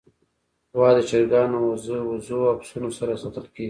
غوا د چرګانو، وزو، او پسونو سره ساتل کېږي.